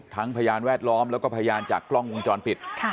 พยานแวดล้อมแล้วก็พยานจากกล้องวงจรปิด